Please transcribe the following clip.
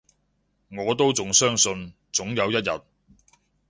我都仲相信，總有一日